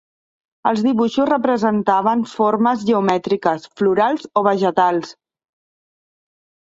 Els dibuixos representaven formes geomètriques, florals o vegetals.